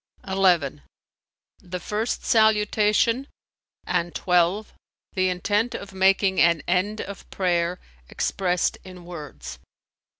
(11) the first Salutation,[FN#313] and (12) the intent of making an end of prayer expressed in words.